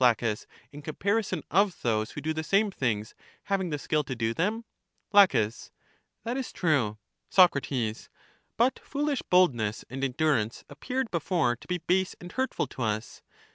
Laches, in comparison of those who do the same things, having the skill to do them. La. That is true. Soc. But foolish boldness and endurance appeared before to be base and hurtful to us.